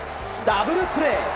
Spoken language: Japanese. ダブルプレー！